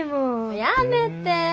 やめて。